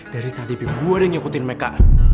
dari tadi pim gue ada yang ngikutin meka